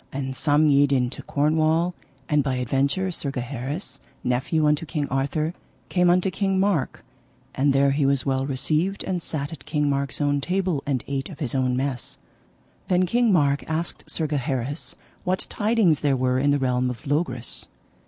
And some yede into Cornwall; and by adventure Sir Gaheris, nephew unto King Arthur, came unto King Mark, and there he was well received and sat at King Mark's own table and ate of his own mess. Then King Mark asked Sir Gaheris what tidings there were in the realm of Logris.